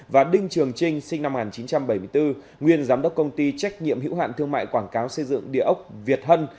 và đinh trường trinh sinh năm một nghìn chín trăm bảy mươi bốn nguyên giám đốc công ty trách nhiệm hữu hạn thương mại quảng cáo xây dựng địa ốc việt hân